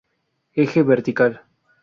Eje vertical.